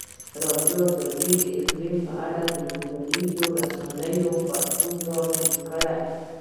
ازادي راډیو د اقلیم په اړه د ټولنیزو رسنیو غبرګونونه راټول کړي.